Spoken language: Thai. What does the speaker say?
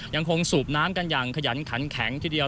สูบน้ำกันอย่างขยันขันแข็งทีเดียว